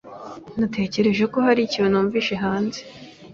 Natekereje ko hari ikintu numvise hanze.